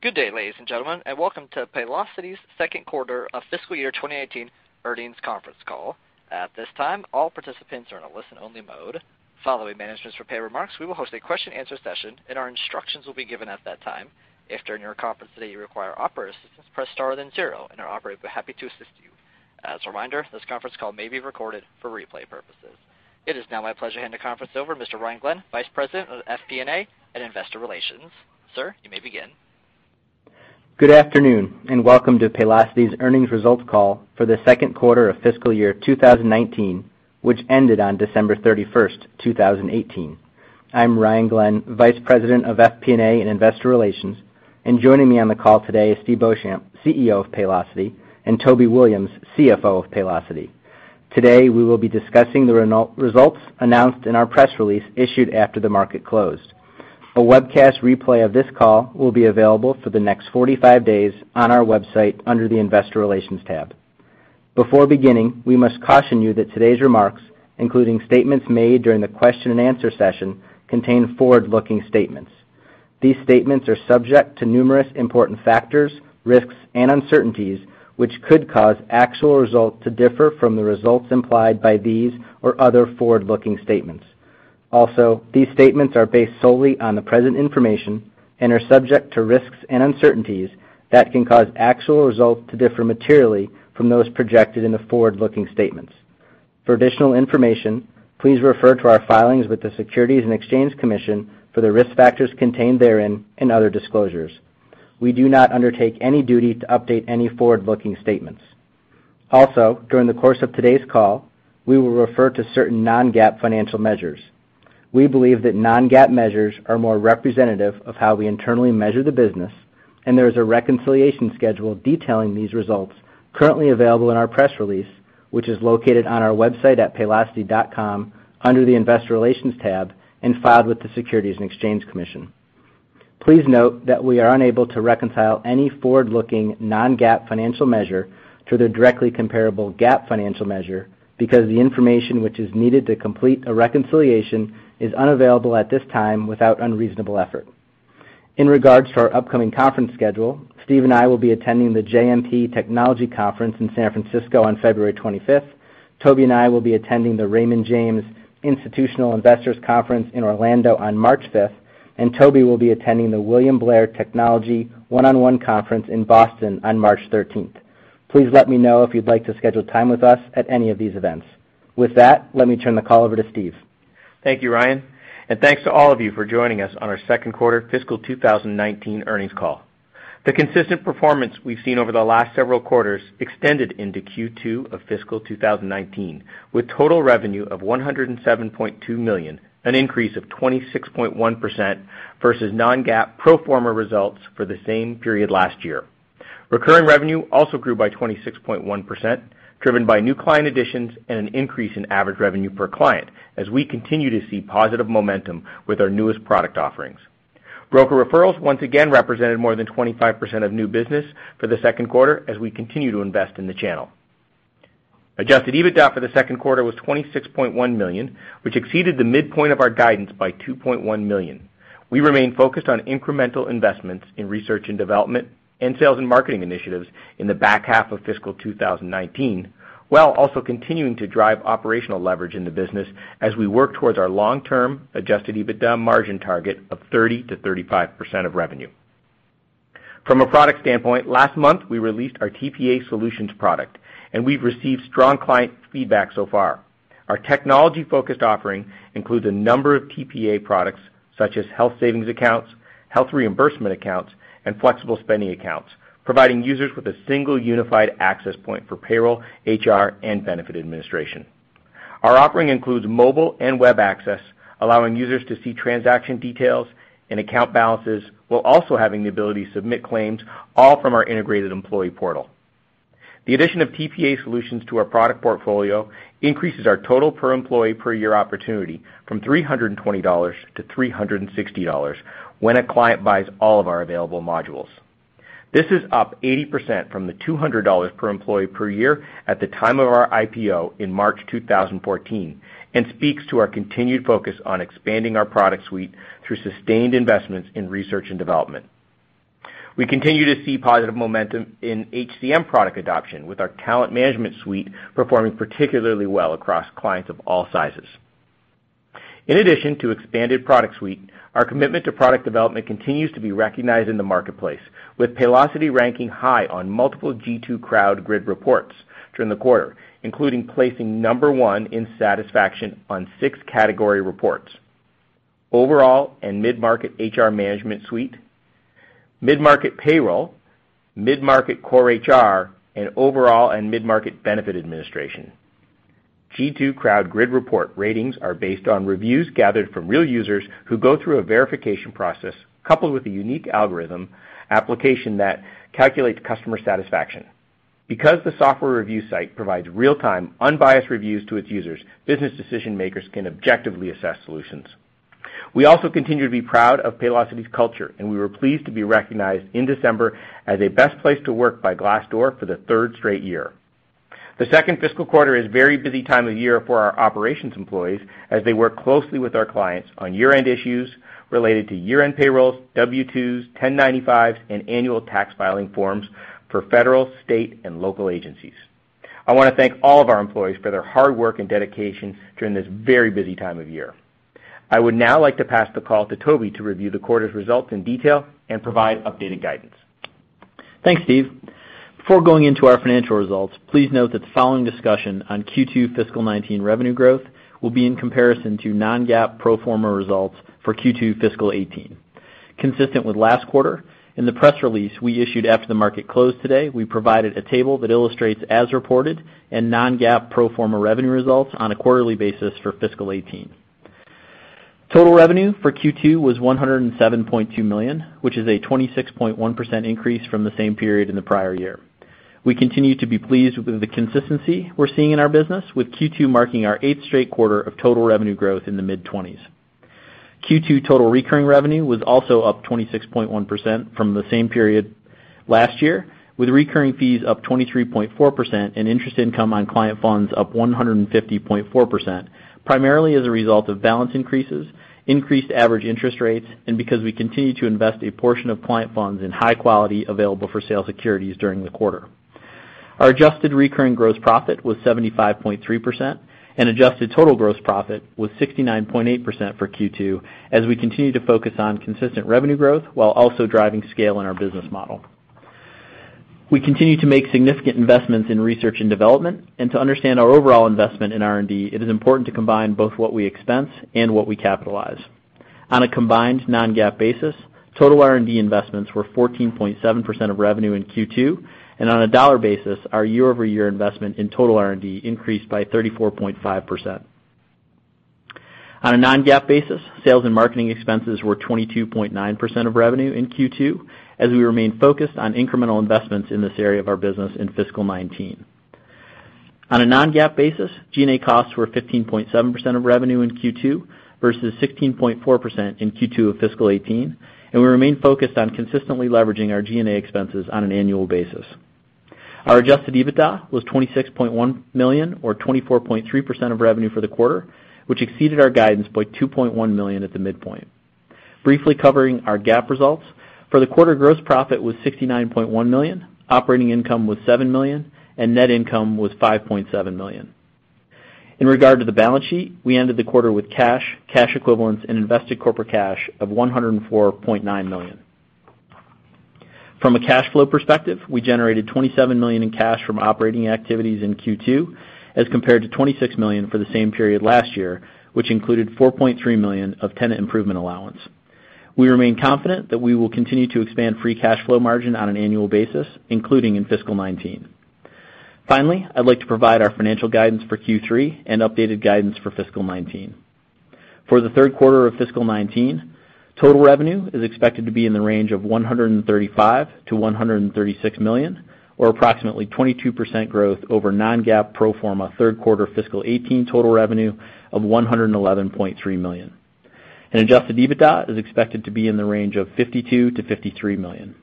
Good day, ladies and gentlemen, welcome to Paylocity's second quarter of fiscal year 2018 earnings conference call. At this time, all participants are in a listen-only mode. Following management's prepared remarks, we will host a question and answer session, and instructions will be given at that time. If during our conference today you require operator assistance, press star then zero, and our operator will be happy to assist you. As a reminder, this conference call may be recorded for replay purposes. It is now my pleasure to hand the conference over to Mr. Ryan Glenn, Vice President of FP&A and Investor Relations. Sir, you may begin. Good afternoon, welcome to Paylocity's earnings results call for the second quarter of fiscal year 2019, which ended on December 31st, 2018. I'm Ryan Glenn, Vice President of FP&A and Investor Relations. Joining me on the call today is Steve Beauchamp, CEO of Paylocity, and Toby Williams, CFO of Paylocity. Today, we will be discussing the results announced in our press release issued after the market closed. A webcast replay of this call will be available for the next 45 days on our website under the investor relations tab. Before beginning, we must caution you that today's remarks, including statements made during the question and answer session, contain forward-looking statements. These statements are subject to numerous important factors, risks, and uncertainties which could cause actual results to differ from the results implied by these or other forward-looking statements. These statements are based solely on the present information and are subject to risks and uncertainties that can cause actual results to differ materially from those projected in the forward-looking statements. For additional information, please refer to our filings with the Securities and Exchange Commission for the risk factors contained therein and other disclosures. We do not undertake any duty to update any forward-looking statements. During the course of today's call, we will refer to certain non-GAAP financial measures. We believe that non-GAAP measures are more representative of how we internally measure the business, and there is a reconciliation schedule detailing these results currently available in our press release, which is located on our website at paylocity.com under the investor relations tab and filed with the Securities and Exchange Commission. Please note that we are unable to reconcile any forward-looking non-GAAP financial measure to the directly comparable GAAP financial measure because the information which is needed to complete a reconciliation is unavailable at this time without unreasonable effort. In regards to our upcoming conference schedule, Steve and I will be attending the JMP Technology Conference in San Francisco on February 25th. Toby and I will be attending the Raymond James Institutional Investors Conference in Orlando on March 5th, and Toby will be attending the William Blair Technology One-on-One Conference in Boston on March 13th. Please let me know if you'd like to schedule time with us at any of these events. With that, let me turn the call over to Steve. Thanks to all of you for joining us on our second quarter fiscal 2019 earnings call. The consistent performance we've seen over the last several quarters extended into Q2 of fiscal 2019, with total revenue of $107.2 million, an increase of 26.1% versus non-GAAP pro forma results for the same period last year. Recurring revenue also grew by 26.1%, driven by new client additions and an increase in average revenue per client, as we continue to see positive momentum with our newest product offerings. Broker referrals once again represented more than 25% of new business for the second quarter as we continue to invest in the channel. Adjusted EBITDA for the second quarter was $26.1 million, which exceeded the midpoint of our guidance by $2.1 million. We remain focused on incremental investments in research and development and sales and marketing initiatives in the back half of fiscal 2019, while also continuing to drive operational leverage in the business as we work towards our long-term adjusted EBITDA margin target of 30%-35% of revenue. From a product standpoint, last month, we released our TPA Solutions product, and we've received strong client feedback so far. Our technology-focused offering includes a number of TPA products such as health savings accounts, health reimbursement accounts, and flexible spending accounts, providing users with a single unified access point for payroll, HR, and benefit administration. Our offering includes mobile and web access, allowing users to see transaction details and account balances, while also having the ability to submit claims all from our integrated employee portal. The addition of TPA Solutions to our product portfolio increases our total per employee per year opportunity from $320-$360 when a client buys all of our available modules. This is up 80% from the $200 per employee per year at the time of our IPO in March 2014 and speaks to our continued focus on expanding our product suite through sustained investments in research and development. We continue to see positive momentum in HCM product adoption, with our talent management suite performing particularly well across clients of all sizes. In addition to expanded product suite, our commitment to product development continues to be recognized in the marketplace, with Paylocity ranking high on multiple G2 Crowd grid reports during the quarter, including placing number 1 in satisfaction on 6 category reports: overall and mid-market HR management suite, mid-market payroll, mid-market core HR, and overall and mid-market benefit administration. G2 Crowd grid report ratings are based on reviews gathered from real users who go through a verification process coupled with a unique algorithm application that calculates customer satisfaction. Because the software review site provides real-time, unbiased reviews to its users, business decision-makers can objectively assess solutions. We also continue to be proud of Paylocity's culture, and we were pleased to be recognized in December as a best place to work by Glassdoor for the third straight year. The second fiscal quarter is a very busy time of year for our operations employees as they work closely with our clients on year-end issues related to year-end payrolls, W-2s, 1095s, and annual tax filing forms for federal, state, and local agencies. I want to thank all of our employees for their hard work and dedication during this very busy time of year. I would now like to pass the call to Toby to review the quarter's results in detail and provide updated guidance. Thanks, Steve. Before going into our financial results, please note that the following discussion on Q2 fiscal 2019 revenue growth will be in comparison to non-GAAP pro forma results for Q2 fiscal 2018. Consistent with last quarter, in the press release we issued after the market closed today, we provided a table that illustrates as reported and non-GAAP pro forma revenue results on a quarterly basis for fiscal 2018. Total revenue for Q2 was $107.2 million, which is a 26.1% increase from the same period in the prior year. We continue to be pleased with the consistency we're seeing in our business, with Q2 marking our eighth straight quarter of total revenue growth in the mid-20s. Q2 total recurring revenue was also up 26.1% from the same period last year, with recurring fees up 23.4% and interest income on client funds up 150.4%, primarily as a result of balance increases, increased average interest rates, and because we continue to invest a portion of client funds in high quality available-for-sale securities during the quarter. Our adjusted recurring gross profit was 75.3%, and adjusted total gross profit was 69.8% for Q2, as we continue to focus on consistent revenue growth while also driving scale in our business model. We continue to make significant investments in research and development. To understand our overall investment in R&D, it is important to combine both what we expense and what we capitalize. On a combined non-GAAP basis, total R&D investments were 14.7% of revenue in Q2, and on a dollar basis, our year-over-year investment in total R&D increased by 34.5%. On a non-GAAP basis, sales and marketing expenses were 22.9% of revenue in Q2, as we remain focused on incremental investments in this area of our business in fiscal 2019. On a non-GAAP basis, G&A costs were 15.7% of revenue in Q2 versus 16.4% in Q2 of fiscal 2018. We remain focused on consistently leveraging our G&A expenses on an annual basis. Our adjusted EBITDA was $26.1 million, or 24.3% of revenue for the quarter, which exceeded our guidance by $2.1 million at the midpoint. Briefly covering our GAAP results, for the quarter gross profit was $69.1 million, operating income was $7 million, and net income was $5.7 million. In regard to the balance sheet, we ended the quarter with cash equivalents and invested corporate cash of $104.9 million. From a cash flow perspective, we generated $27 million in cash from operating activities in Q2 as compared to $26 million for the same period last year, which included $4.3 million of tenant improvement allowance. We remain confident that we will continue to expand free cash flow margin on an annual basis, including in fiscal 2019. Finally, I'd like to provide our financial guidance for Q3 and updated guidance for fiscal 2019. For the third quarter of fiscal 2019, total revenue is expected to be in the range of $135 million-$136 million, or approximately 22% growth over non-GAAP pro forma third quarter fiscal 2018 total revenue of $111.3 million. Adjusted EBITDA is expected to be in the range of $52 million-$53 million.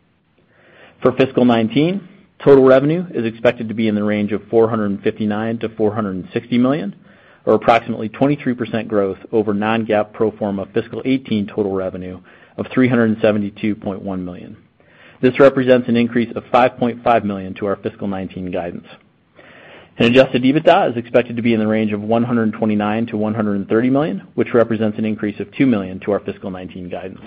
For fiscal 2019, total revenue is expected to be in the range of $459 million-$460 million, or approximately 23% growth over non-GAAP pro forma fiscal 2018 total revenue of $372.1 million. This represents an increase of $5.5 million to our fiscal 2019 guidance. Adjusted EBITDA is expected to be in the range of $129 million-$130 million, which represents an increase of $2 million to our fiscal 2019 guidance.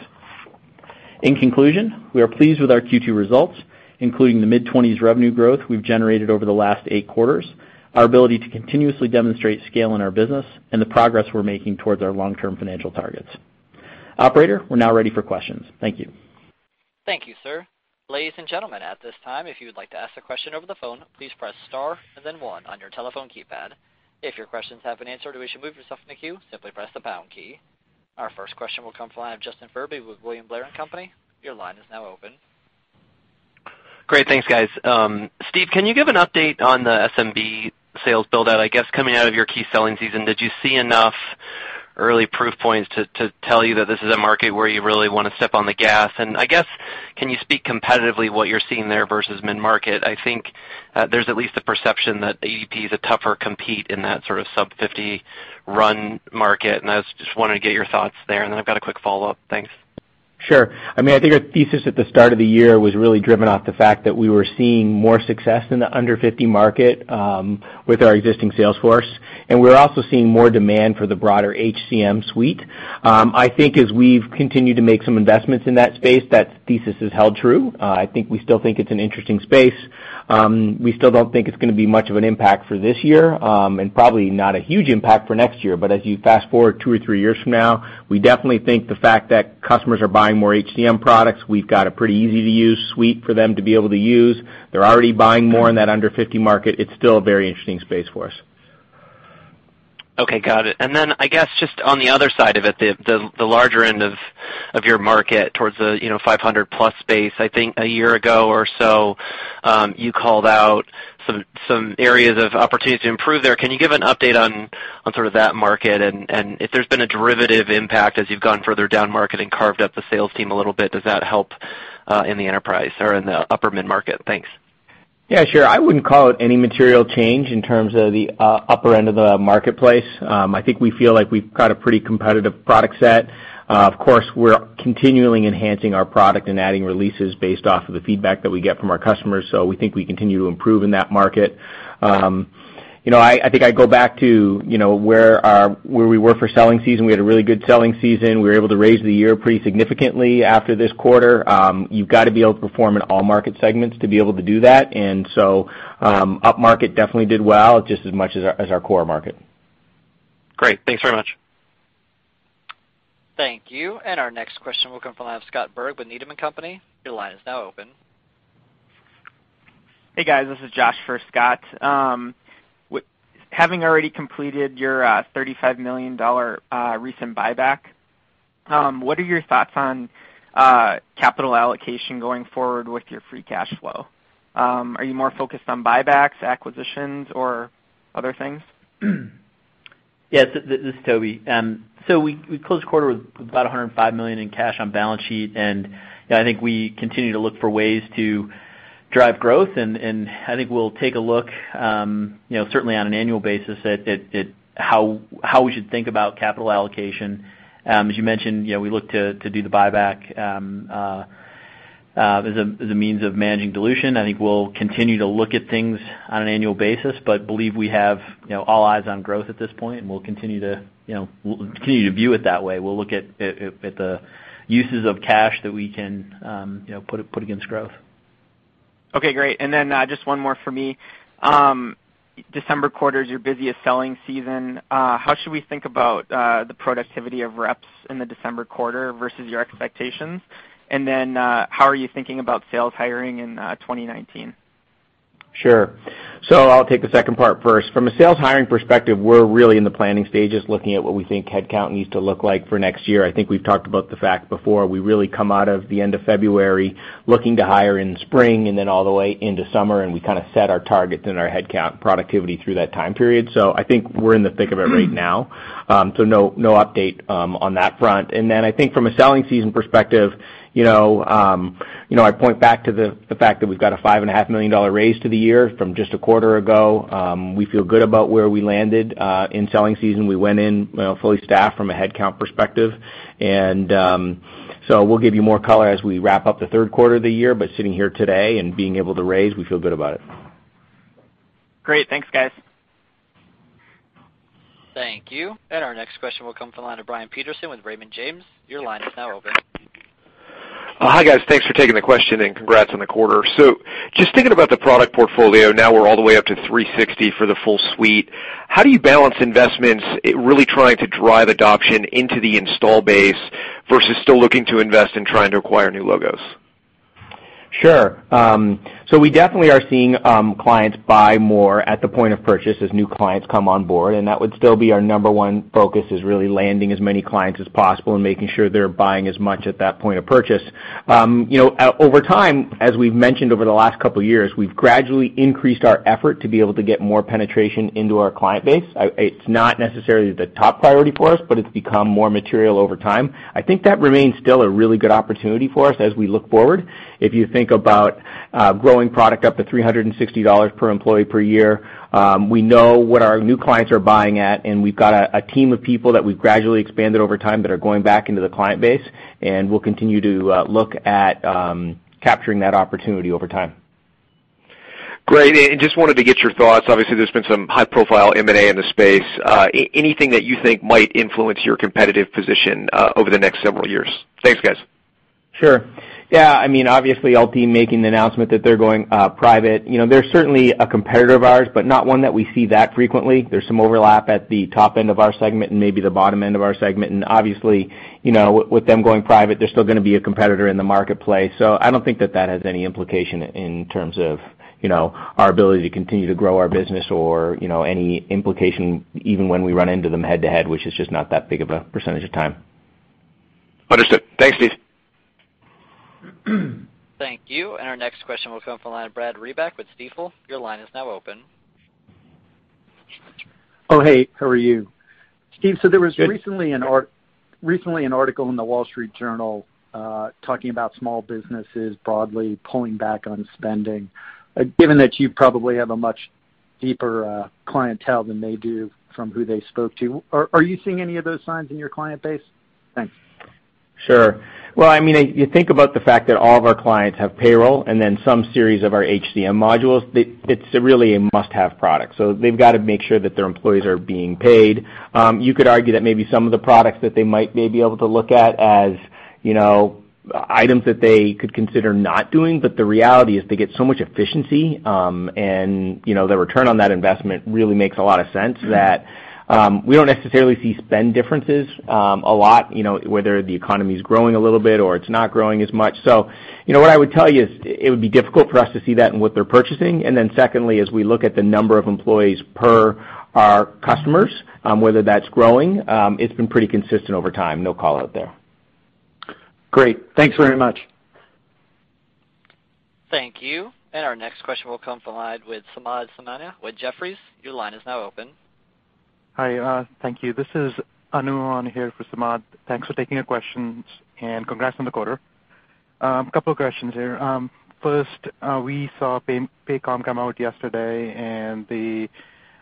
In conclusion, we are pleased with our Q2 results, including the mid-20s revenue growth we've generated over the last eight quarters, our ability to continuously demonstrate scale in our business, and the progress we're making towards our long-term financial targets. Operator, we're now ready for questions. Thank you. Thank you, sir. Ladies and gentlemen, at this time, if you would like to ask a question over the phone, please press star and then one on your telephone keypad. If your questions have been answered or wish to move yourself in the queue, simply press the pound key. Our first question will come from the line of Justin Furby with William Blair & Company. Your line is now open. Great. Thanks, guys. Steve, can you give an update on the SMB sales build-out? I guess coming out of your key selling season, did you see enough early proof points to tell you that this is a market where you really want to step on the gas? I guess, can you speak competitively what you're seeing there versus mid-market? I think there's at least a perception that ADP is a tougher compete in that sort of sub 50 run market, and I just wanted to get your thoughts there, and then I've got a quick follow-up. Thanks. Sure. I think our thesis at the start of the year was really driven off the fact that we were seeing more success in the under 50 market with our existing sales force, and we're also seeing more demand for the broader HCM suite. I think as we've continued to make some investments in that space, that thesis has held true. I think we still think it's an interesting space. We still don't think it's going to be much of an impact for this year, and probably not a huge impact for next year. As you fast-forward two or three years from now, we definitely think the fact that customers are buying more HCM products, we've got a pretty easy-to-use suite for them to be able to use. They're already buying more in that under 50 market. It's still a very interesting space for us. Okay, got it. I guess just on the other side of it, the larger end of your market towards the 500-plus space. I think a year ago or so, you called out some areas of opportunity to improve there. Can you give an update on sort of that market, and if there's been a derivative impact as you've gone further down market and carved up the sales team a little bit, does that help In the enterprise or in the upper mid-market. Thanks. Yeah, sure. I wouldn't call it any material change in terms of the upper end of the marketplace. I think we feel like we've got a pretty competitive product set. Of course, we're continually enhancing our product and adding releases based off of the feedback that we get from our customers. We think we continue to improve in that market. I think I'd go back to where we were for selling season. We had a really good selling season. We were able to raise the year pretty significantly after this quarter. You've got to be able to perform in all market segments to be able to do that. Upmarket definitely did well, just as much as our core market. Great. Thanks very much. Thank you. Our next question will come from the line of Scott Berg with Needham & Company. Your line is now open. Hey, guys. This is Josh for Scott. Having already completed your $35 million recent buyback, what are your thoughts on capital allocation going forward with your free cash flow? Are you more focused on buybacks, acquisitions, or other things? Yes. This is Toby. We closed the quarter with about $105 million in cash on balance sheet, I think we continue to look for ways to drive growth. I think we'll take a look, certainly on an annual basis at how we should think about capital allocation. As you mentioned, we look to do the buyback as a means of managing dilution. I think we'll continue to look at things on an annual basis, believe we have all eyes on growth at this point, we'll continue to view it that way. We'll look at the uses of cash that we can put against growth. Okay, great. Just one more for me. December quarter is your busiest selling season. How should we think about the productivity of reps in the December quarter versus your expectations? How are you thinking about sales hiring in 2019? Sure. I'll take the second part first. From a sales hiring perspective, we're really in the planning stages, looking at what we think headcount needs to look like for next year. I think we've talked about the fact before, we really come out of the end of February looking to hire in spring and then all the way into summer, and we kind of set our targets and our headcount productivity through that time period. I think we're in the thick of it right now. No update on that front. I think from a selling season perspective, I point back to the fact that we've got a $5.5 million raise to the year from just a quarter ago. We feel good about where we landed. In selling season, we went in fully staffed from a headcount perspective. We'll give you more color as we wrap up the third quarter of the year. Sitting here today and being able to raise, we feel good about it. Great. Thanks, guys. Thank you. Our next question will come from the line of Brian Peterson with Raymond James. Your line is now open. Hi, guys. Thanks for taking the question, congrats on the quarter. Just thinking about the product portfolio, now we're all the way up to $360 for the full suite. How do you balance investments, really trying to drive adoption into the install base versus still looking to invest in trying to acquire new logos? Sure. We definitely are seeing clients buy more at the point of purchase as new clients come on board, and that would still be our number 1 focus, is really landing as many clients as possible and making sure they're buying as much at that point of purchase. Over time, as we've mentioned over the last couple of years, we've gradually increased our effort to be able to get more penetration into our client base. It's not necessarily the top priority for us, but it's become more material over time. I think that remains still a really good opportunity for us as we look forward. If you think about growing product up to $360 per employee per year, we know what our new clients are buying at, we've got a team of people that we've gradually expanded over time that are going back into the client base, we'll continue to look at capturing that opportunity over time. Great. Just wanted to get your thoughts. Obviously, there's been some high-profile M&A in the space. Anything that you think might influence your competitive position over the next several years? Thanks, guys. Sure. Yeah. Obviously Ultimate making the announcement that they're going private. They're certainly a competitor of ours, but not one that we see that frequently. There's some overlap at the top end of our segment and maybe the bottom end of our segment. Obviously, with them going private, they're still going to be a competitor in the marketplace. I don't think that that has any implication in terms of our ability to continue to grow our business or any implication even when we run into them head-to-head, which is just not that big of a percentage of time. Understood. Thanks, Steve. Thank you. Our next question will come from the line of Brad Reback with Stifel. Your line is now open. Oh, hey, how are you? Steve. Good. There was recently an article in The Wall Street Journal talking about small businesses broadly pulling back on spending. Given that you probably have a much deeper clientele than they do from who they spoke to, are you seeing any of those signs in your client base? Thanks. Sure. Well, you think about the fact that all of our clients have payroll and then some series of our HCM modules, it's really a must-have product. They've got to make sure that their employees are being paid. You could argue that maybe some of the products that they might be able to look at as items that they could consider not doing, but the reality is they get so much efficiency, and the return on that investment really makes a lot of sense that we don't necessarily see spend differences a lot, whether the economy's growing a little bit or it's not growing as much. What I would tell you is it would be difficult for us to see that in what they're purchasing. Secondly, as we look at the number of employees per our customers, whether that's growing, it's been pretty consistent over time. No call out there. Great. Thanks very much. Thank you. Our next question will come from the line with Samad Samana with Jefferies. Your line is now open. Hi. Thank you. This is Anu on here for Samad. Thanks for taking our questions, and congrats on the quarter. Couple of questions here. First, we saw Paycom come out yesterday, they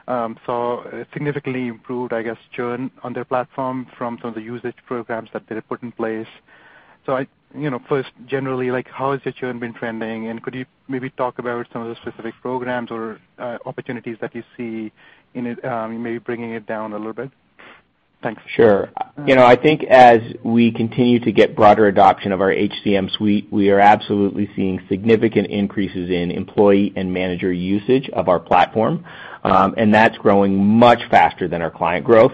saw a significantly improved churn on their platform from some of the usage programs that they had put in place. First, generally, how has the churn been trending, and could you maybe talk about some of the specific programs or opportunities that you see in it, maybe bringing it down a little bit? Thanks. Sure. I think as we continue to get broader adoption of our HCM suite, we are absolutely seeing significant increases in employee and manager usage of our platform. That's growing much faster than our client growth.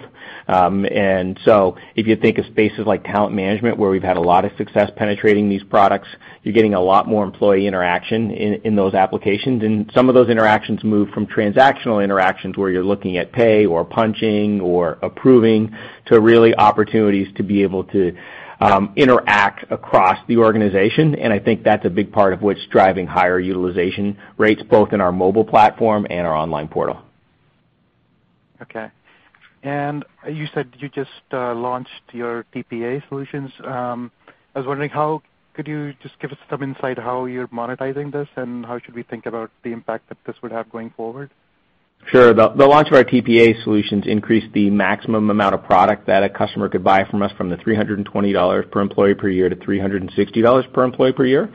If you think of spaces like talent management, where we've had a lot of success penetrating these products, you're getting a lot more employee interaction in those applications. Some of those interactions move from transactional interactions, where you're looking at pay or punching or approving, to really opportunities to be able to interact across the organization. I think that's a big part of what's driving higher utilization rates, both in our mobile platform and our online portal. Okay. You said you just launched your TPA Solutions. I was wondering, could you just give us some insight how you're monetizing this, and how should we think about the impact that this would have going forward? Sure. The launch of our TPA Solutions increased the maximum amount of product that a customer could buy from us, from the $320 per employee per year to $360 per employee per year.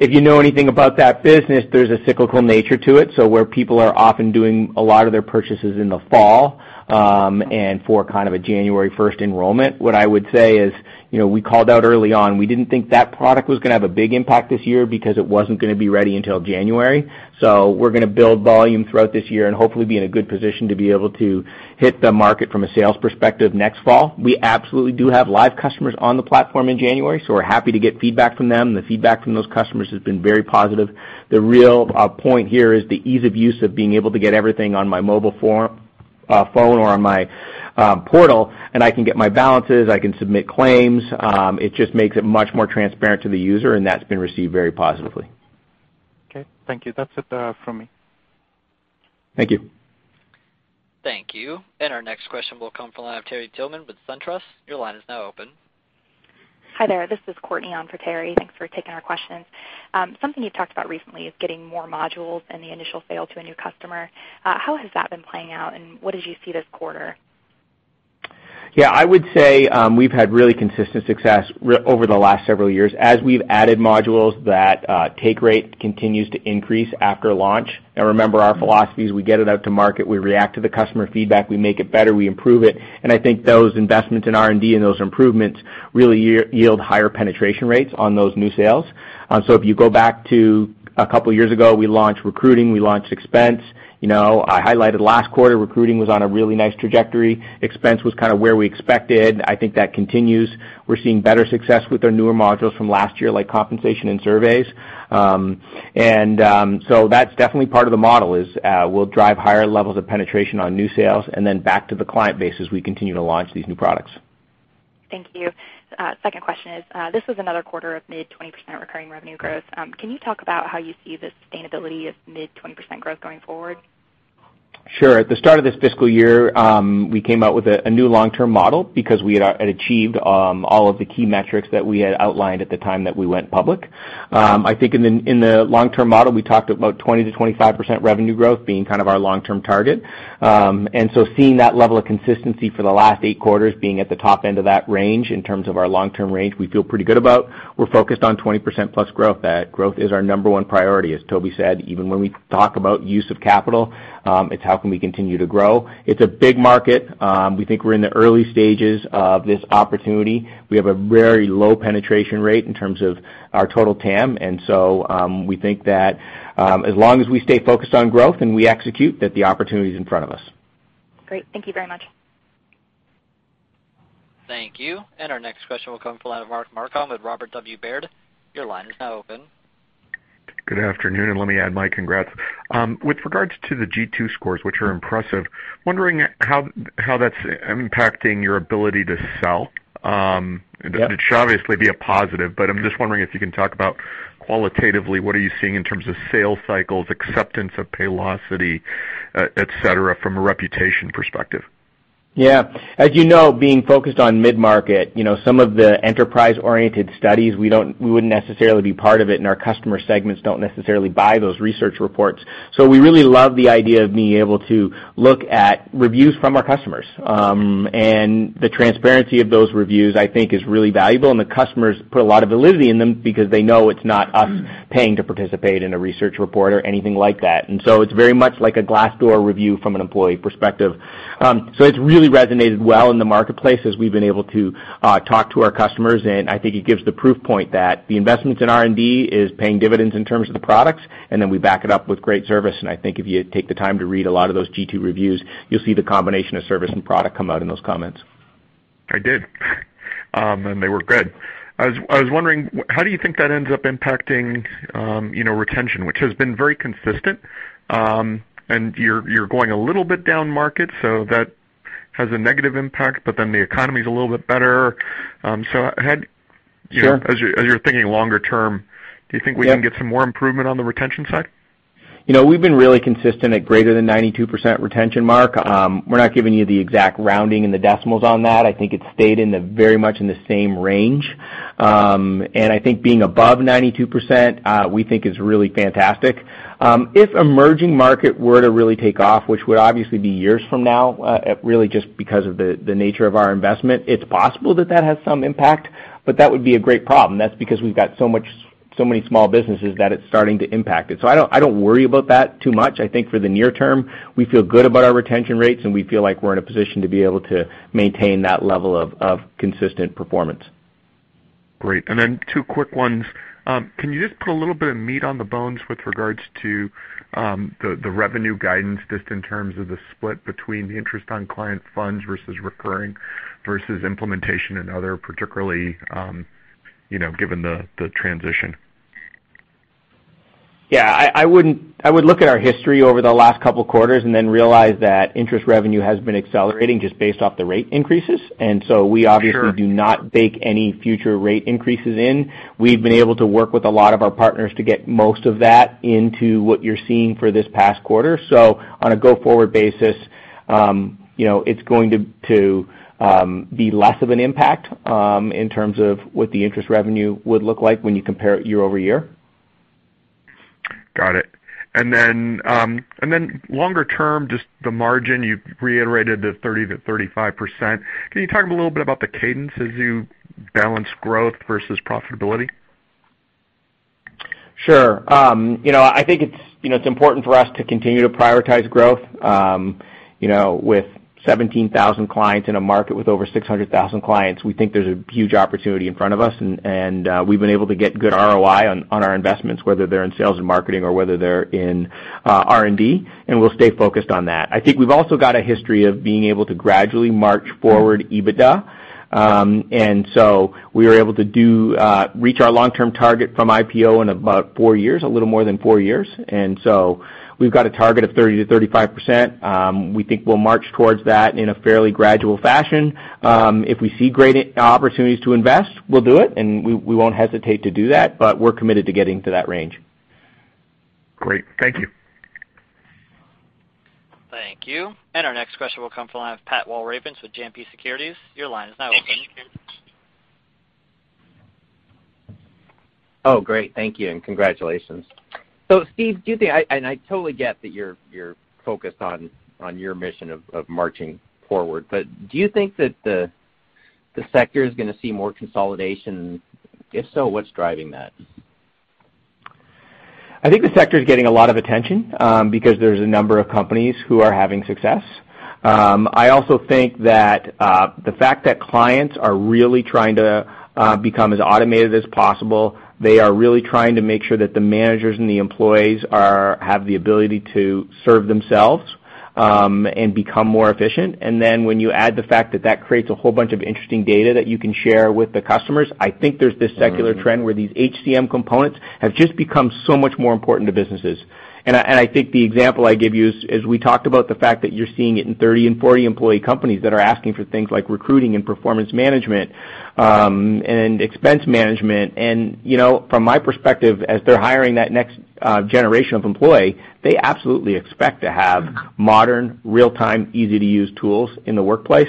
If you know anything about that business, there's a cyclical nature to it. Where people are often doing a lot of their purchases in the fall, and for kind of a January 1st enrollment, what I would say is, we called out early on. We didn't think that product was going to have a big impact this year because it wasn't going to be ready until January. We're going to build volume throughout this year and hopefully be in a good position to be able to hit the market from a sales perspective next fall. We absolutely do have live customers on the platform in January, so we're happy to get feedback from them. The feedback from those customers has been very positive. The real point here is the ease of use of being able to get everything on my mobile phone or on my portal, and I can get my balances, I can submit claims. It just makes it much more transparent to the user, and that's been received very positively. Okay. Thank you. That's it from me. Thank you. Thank you. Our next question will come from the line of Terry Tillman with SunTrust. Your line is now open. Hi there. This is Courtney on for Terry. Thanks for taking our questions. Something you've talked about recently is getting more modules in the initial sale to a new customer. How has that been playing out, and what did you see this quarter? Yeah, I would say we've had really consistent success over the last several years. As we've added modules, that take rate continues to increase after launch. Remember, our philosophy is we get it out to market, we react to the customer feedback, we make it better, we improve it. I think those investments in R&D and those improvements really yield higher penetration rates on those new sales. If you go back to a couple of years ago, we launched recruiting, we launched expense. I highlighted last quarter, recruiting was on a really nice trajectory. Expense was kind of where we expected. I think that continues. We're seeing better success with our newer modules from last year, like compensation and surveys. That's definitely part of the model, is we'll drive higher levels of penetration on new sales, and then back to the client base as we continue to launch these new products. Thank you. Second question is, this was another quarter of mid-20% recurring revenue growth. Can you talk about how you see the sustainability of mid-20% growth going forward? Sure. At the start of this fiscal year, we came out with a new long-term model because we had achieved all of the key metrics that we had outlined at the time that we went public. I think in the long-term model, we talked about 20%-25% revenue growth being our long-term target. Seeing that level of consistency for the last 8 quarters being at the top end of that range in terms of our long-term range, we feel pretty good about. We're focused on 20%+ growth. That growth is our number one priority. As Toby said, even when we talk about use of capital, it's how can we continue to grow. It's a big market. We think we're in the early stages of this opportunity. We have a very low penetration rate in terms of our total TAM, we think that as long as we stay focused on growth and we execute, that the opportunity's in front of us. Great. Thank you very much. Thank you. Our next question will come from the line of Mark Marcon with Robert W. Baird. Your line is now open. Good afternoon, let me add my congrats. With regards to the G2 scores, which are impressive, wondering how that's impacting your ability to sell. Yeah. It should obviously be a positive, but I'm just wondering if you can talk about qualitatively, what are you seeing in terms of sales cycles, acceptance of Paylocity, et cetera, from a reputation perspective? As you know, being focused on mid-market, some of the enterprise-oriented studies, we wouldn't necessarily be part of it, and our customer segments don't necessarily buy those research reports. We really love the idea of being able to look at reviews from our customers. The transparency of those reviews, I think, is really valuable, and the customers put a lot of validity in them because they know it's not us paying to participate in a research report or anything like that. It's very much like a Glassdoor review from an employee perspective. It's really resonated well in the marketplace as we've been able to talk to our customers, and I think it gives the proof point that the investments in R&D is paying dividends in terms of the products, and then we back it up with great service. I think if you take the time to read a lot of those G2 reviews, you'll see the combination of service and product come out in those comments. I did. They were good. I was wondering, how do you think that ends up impacting retention? Which has been very consistent, and you're going a little bit down market, so that has a negative impact, but then the economy's a little bit better. Sure as you're thinking longer term, do you think we can get some more improvement on the retention side? We've been really consistent at greater than 92% retention mark. We're not giving you the exact rounding and the decimals on that. I think it's stayed very much in the same range. I think being above 92%, we think is really fantastic. If emerging market were to really take off, which would obviously be years from now, really just because of the nature of our investment, it's possible that that has some impact, but that would be a great problem. That's because we've got so many small businesses that it's starting to impact it. I don't worry about that too much. I think for the near term, we feel good about our retention rates, and we feel like we're in a position to be able to maintain that level of consistent performance. Great. Then two quick ones. Can you just put a little bit of meat on the bones with regards to the revenue guidance, just in terms of the split between the interest on client funds versus recurring versus implementation and other, particularly, given the transition? Yeah. I would look at our history over the last couple of quarters and then realize that interest revenue has been accelerating just based off the rate increases. We obviously- Sure We do not bake any future rate increases in. We've been able to work with a lot of our partners to get most of that into what you're seeing for this past quarter. On a go-forward basis, it's going to be less of an impact, in terms of what the interest revenue would look like when you compare it year-over-year. Got it. Longer term, the margin, you reiterated the 30%-35%. Can you talk a little bit about the cadence as you balance growth versus profitability? Sure. I think it's important for us to continue to prioritize growth. With 17,000 clients in a market with over 600,000 clients, we think there's a huge opportunity in front of us, and we've been able to get good ROI on our investments, whether they're in sales and marketing or whether they're in R&D, and we'll stay focused on that. I think we've also got a history of being able to gradually march forward EBITDA. We were able to reach our long-term target from IPO in about four years, a little more than four years. We've got a target of 30%-35%. We think we'll march towards that in a fairly gradual fashion. If we see great opportunities to invest, we'll do it, and we won't hesitate to do that, but we're committed to getting to that range. Great. Thank you. Thank you. Our next question will come from the line of Pat Walravens with JMP Securities. Your line is now open. Oh, great. Thank you, and congratulations. Steve, do you think And I totally get that you're focused on your mission of marching forward. Do you think that the sector is going to see more consolidation? If so, what's driving that? I think the sector is getting a lot of attention, because there's a number of companies who are having success. I also think that the fact that clients are really trying to become as automated as possible. They are really trying to make sure that the managers and the employees have the ability to serve themselves, and become more efficient. When you add the fact that that creates a whole bunch of interesting data that you can share with the customers, I think there's this secular trend where these HCM components have just become so much more important to businesses. I think the example I give you is we talked about the fact that you're seeing it in 30 and 40 employee companies that are asking for things like recruiting and performance management, and expense management. From my perspective, as they're hiring that next generation of employee, they absolutely expect to have modern, real-time, easy-to-use tools in the workplace.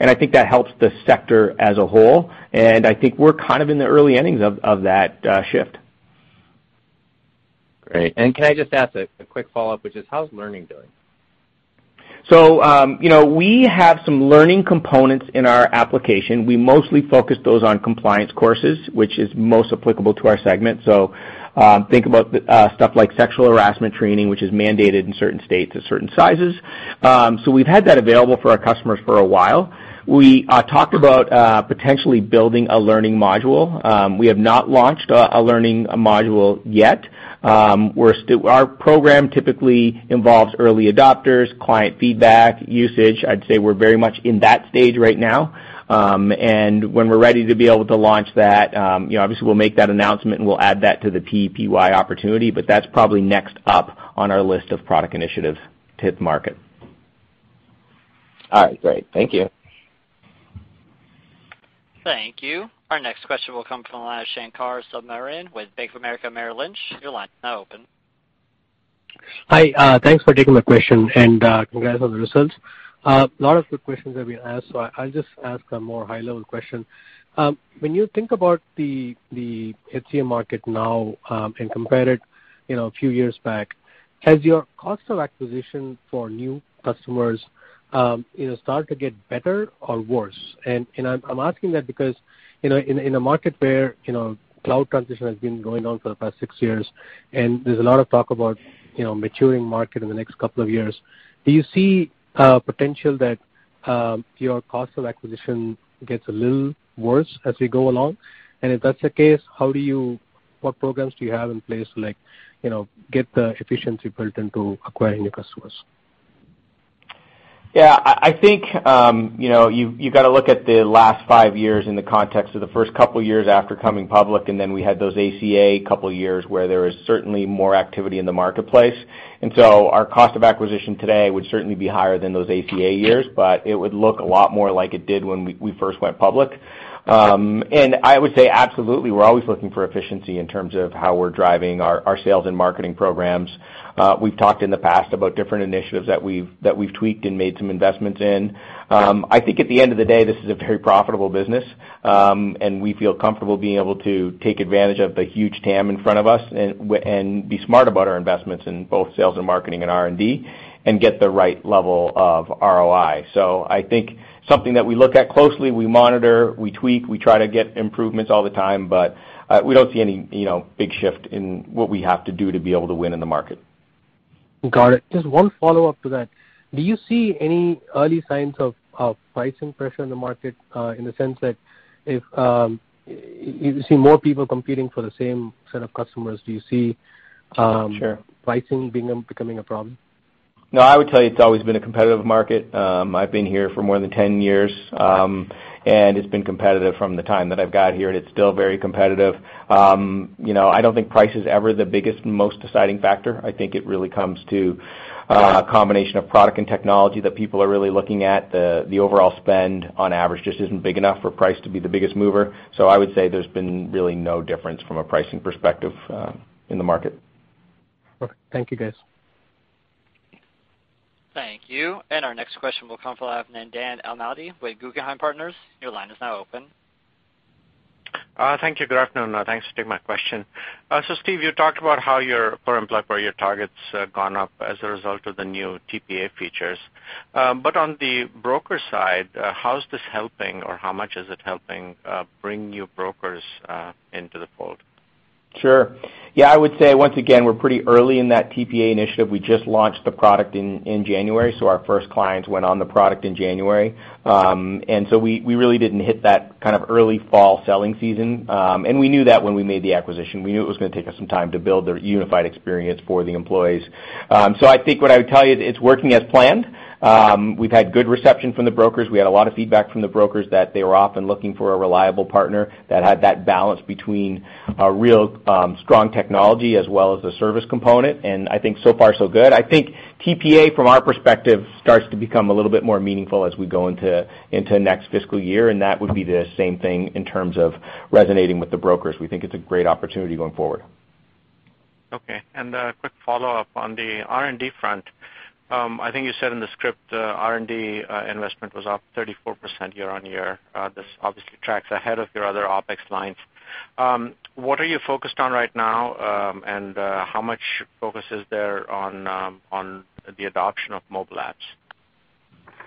I think that helps the sector as a whole, and I think we're in the early innings of that shift. Great. Can I just ask a quick follow-up, which is how's learning doing? We have some learning components in our application. We mostly focus those on compliance courses, which is most applicable to our segment. Think about stuff like sexual harassment training, which is mandated in certain states of certain sizes. We've had that available for our customers for a while. We talked about potentially building a learning module. We have not launched a learning module yet. Our program typically involves early adopters, client feedback, usage. I'd say we're very much in that stage right now. When we're ready to be able to launch that, obviously we'll make that announcement, and we'll add that to the PEPY opportunity, but that's probably next up on our list of product initiatives to hit market. All right. Great. Thank you. Thank you. Our next question will come from the line of Shankar Subramanian with Bank of America Merrill Lynch. Your line is now open. Hi. Thanks for taking my question, and congrats on the results. A lot of good questions have been asked, I'll just ask a more high-level question. When you think about the HCM market now, and compare it a few years back, has your cost of acquisition for new customers started to get better or worse? I'm asking that because in a market where cloud transition has been going on for the past six years, and there's a lot of talk about maturing market in the next couple of years, do you see a potential that your cost of acquisition gets a little worse as we go along? If that's the case, what programs do you have in place to get the efficiency built into acquiring new customers? Yeah, I think you've got to look at the last five years in the context of the first couple of years after coming public, then we had those ACA couple of years where there was certainly more activity in the marketplace. Our cost of acquisition today would certainly be higher than those ACA years, but it would look a lot more like it did when we first went public. I would say absolutely, we're always looking for efficiency in terms of how we're driving our sales and marketing programs. We've talked in the past about different initiatives that we've tweaked and made some investments in. I think at the end of the day, this is a very profitable business, we feel comfortable being able to take advantage of the huge TAM in front of us and be smart about our investments in both sales and marketing and R&D and get the right level of ROI. I think something that we look at closely, we monitor, we tweak, we try to get improvements all the time, we don't see any big shift in what we have to do to be able to win in the market. Got it. Just one follow-up to that. Do you see any early signs of pricing pressure in the market, in the sense that if you see more people competing for the same set of customers, do you see- Sure pricing becoming a problem? I would tell you it's always been a competitive market. I've been here for more than 10 years, and it's been competitive from the time that I've got here, and it's still very competitive. I don't think price is ever the biggest, most deciding factor. I think it really comes to a combination of product and technology that people are really looking at. The overall spend on average just isn't big enough for price to be the biggest mover. I would say there's been really no difference from a pricing perspective in the market. Perfect. Thank you, guys. Thank you. Our next question will come from the line of Nandan Amladi with Guggenheim Partners. Your line is now open. Thank you. Good afternoon, and thanks for taking my question. Steve, you talked about how your current platform, your target's gone up as a result of the new TPA features. On the broker side, how is this helping or how much is it helping bring new brokers into the fold? Sure. I would say once again, we're pretty early in that TPA initiative. We just launched the product in January, so our first clients went on the product in January. We really didn't hit that kind of early fall selling season. We knew that when we made the acquisition. We knew it was going to take us some time to build their unified experience for the employees. I think what I would tell you, it's working as planned. We've had good reception from the brokers. We had a lot of feedback from the brokers that they were often looking for a reliable partner that had that balance between a real strong technology as well as the service component. I think so far so good. I think TPA, from our perspective, starts to become a little bit more meaningful as we go into next fiscal year. That would be the same thing in terms of resonating with the brokers. We think it's a great opportunity going forward. Okay. A quick follow-up on the R&D front. I think you said in the script, R&D investment was up 34% year-over-year. This obviously tracks ahead of your other OpEx lines. What are you focused on right now? How much focus is there on the adoption of mobile apps?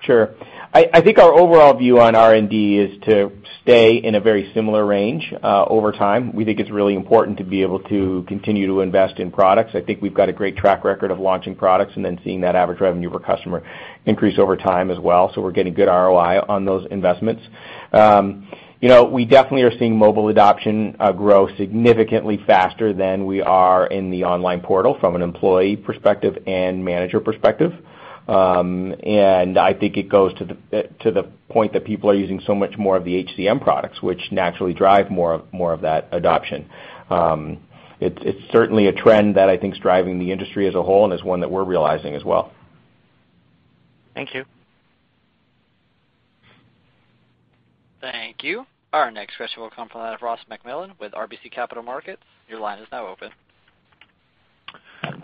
Sure. I think our overall view on R&D is to stay in a very similar range over time. We think it's really important to be able to continue to invest in products. I think we've got a great track record of launching products and then seeing that average revenue per customer increase over time as well. We're getting good ROI on those investments. We definitely are seeing mobile adoption grow significantly faster than we are in the online portal from an employee perspective and manager perspective. I think it goes to the point that people are using so much more of the HCM products, which naturally drive more of that adoption. It's certainly a trend that I think is driving the industry as a whole and is one that we're realizing as well. Thank you. Thank you. Our next question will come from the line of Ross MacMillan with RBC Capital Markets. Your line is now open.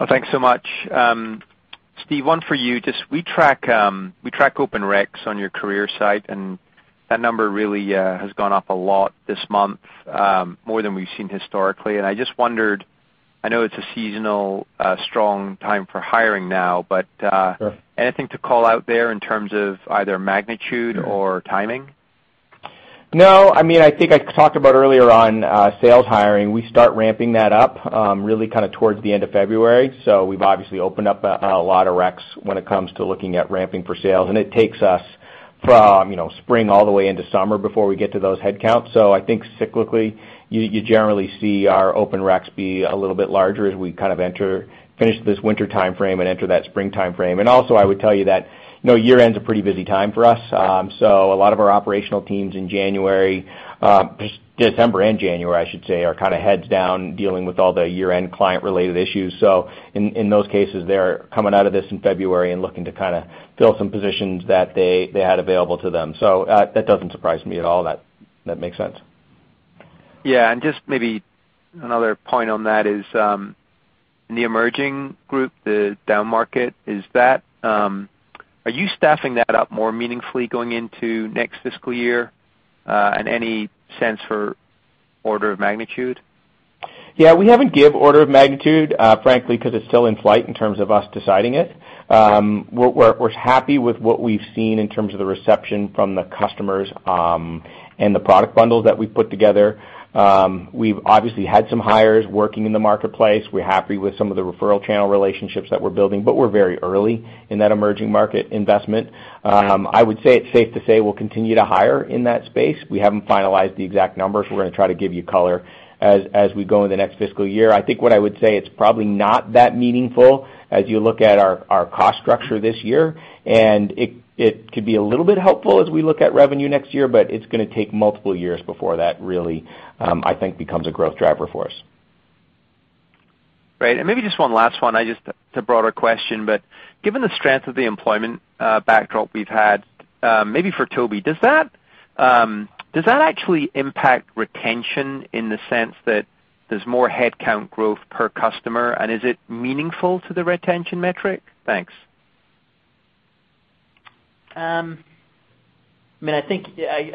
Thanks so much. Steve, one for you. We track open reqs on your career site. That number really has gone up a lot this month, more than we've seen historically. I just wondered, I know it's a seasonal strong time for hiring now. Sure Anything to call out there in terms of either magnitude or timing? No. I think I talked about earlier on sales hiring. We start ramping that up really kind of towards the end of February. We've obviously opened up a lot of reqs when it comes to looking at ramping for sales, and it takes us from spring all the way into summer before we get to those headcounts. I think cyclically, you generally see our open reqs be a little bit larger as we kind of finish this winter timeframe and enter that springtime frame. Also I would tell you that year-end is a pretty busy time for us. A lot of our operational teams in January, December and January, I should say, are kind of heads down dealing with all the year-end client-related issues. In those cases, they're coming out of this in February and looking to fill some positions that they had available to them. That doesn't surprise me at all. That makes sense. Just maybe another point on that is, in the emerging group, the downmarket, are you staffing that up more meaningfully going into next fiscal year? Any sense for order of magnitude? We haven't give order of magnitude, frankly, because it's still in flight in terms of us deciding it. We're happy with what we've seen in terms of the reception from the customers and the product bundles that we've put together. We've obviously had some hires working in the marketplace. We're happy with some of the referral channel relationships that we're building, we're very early in that emerging market investment. I would say it's safe to say we'll continue to hire in that space. We haven't finalized the exact numbers. We're going to try to give you color as we go in the next fiscal year. I think what I would say, it's probably not that meaningful as you look at our cost structure this year, and it could be a little bit helpful as we look at revenue next year, but it's going to take multiple years before that really, I think, becomes a growth driver for us. Right. Maybe just one last one, just a broader question. Given the strength of the employment backdrop we've had, maybe for Toby, does that actually impact retention in the sense that there's more headcount growth per customer, and is it meaningful to the retention metric? Thanks. I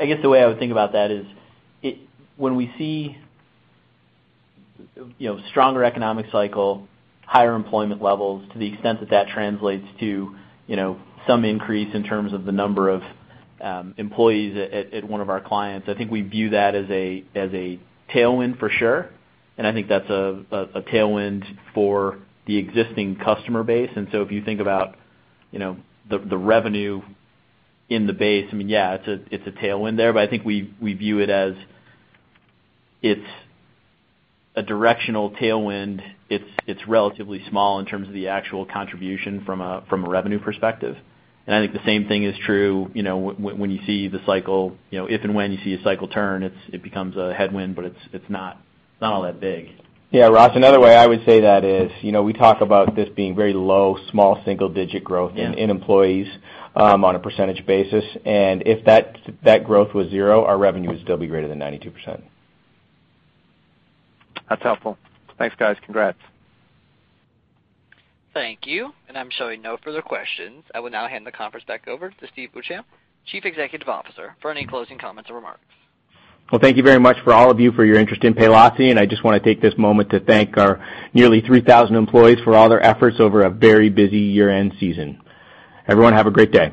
guess the way I would think about that is, when we see stronger economic cycle, higher employment levels, to the extent that that translates to some increase in terms of the number of employees at one of our clients, I think we view that as a tailwind for sure. I think that's a tailwind for the existing customer base. If you think about the revenue in the base, yeah, it's a tailwind there, but I think we view it as it's a directional tailwind. It's relatively small in terms of the actual contribution from a revenue perspective. I think the same thing is true when you see the cycle. If and when you see a cycle turn, it becomes a headwind, but it's not all that big. Yeah, Ross, another way I would say that is, we talk about this being very low, small single-digit growth in employees on a percentage basis. If that growth was zero, our revenue would still be greater than 92%. That's helpful. Thanks, guys. Congrats. Thank you. I'm showing no further questions. I will now hand the conference back over to Steve Beauchamp, Chief Executive Officer, for any closing comments or remarks. Well, thank you very much for all of you for your interest in Paylocity, and I just want to take this moment to thank our nearly 3,000 employees for all their efforts over a very busy year-end season. Everyone, have a great day.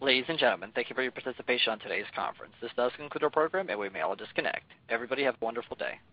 Ladies and gentlemen, thank you for your participation on today's conference. This does conclude our program, and we may all disconnect. Everybody, have a wonderful day.